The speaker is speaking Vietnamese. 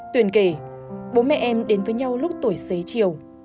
tuyển kể bố mẹ em đến với nhau lúc tuổi xế chiều